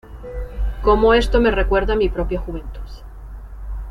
Cómo esto me recuerda mi propia juventud.